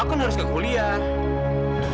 aku kan harus ke kuliah